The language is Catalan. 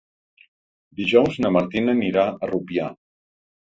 Dijous na Martina anirà a Rupià.